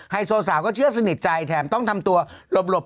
ทางต้นสั่งคบนี่นะครับ